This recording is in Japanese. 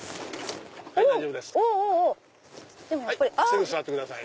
すぐ座ってください。